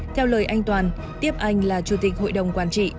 theo lời anh toàn tiếp anh là chủ tịch hội đồng quản trị